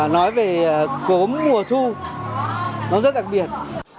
nói về cốm mùa thu nó rất đặc biệt